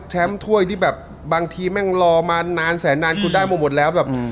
แชมป์ถ้วยแบบบางทีแม่งรอนานแสนนานได้หมดแล้ว